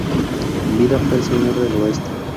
En vida fue el Señor del Oeste.